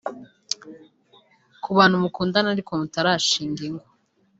Ku bantu mukundana ariko mutarashinga ingo